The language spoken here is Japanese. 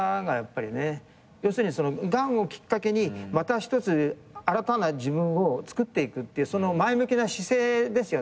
要するにがんをきっかけにまた一つ新たな自分をつくっていくっていうその前向きな姿勢ですよね。